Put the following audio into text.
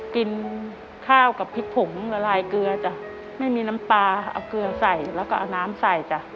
กินข้าวกับพริกผงละลายเกลือจ้ะไม่มีน้ำปลาเอาเกลือใส่แล้วก็เอาน้ำใส่จ้ะ